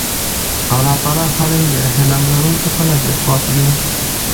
الله تعالی حليم دی حِلم لرونکي خلک ئي خوښ دي